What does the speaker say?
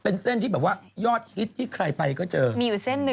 เป็นเส้นที่ยอดฮิตที่ใครไปก็จะเจอ